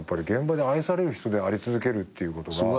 現場で愛される人であり続けるっていうことが。